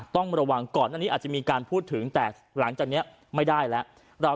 ต้องระวังก่อนอันนี้อาจจะมีการพูดถึงแต่หลังจากนี้ไม่ได้แล้ว